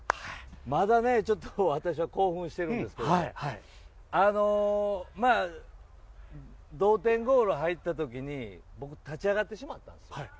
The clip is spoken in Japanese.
まだ私は興奮していますけど同点ゴールが入った時に、僕立ち上がってしまったんですよ。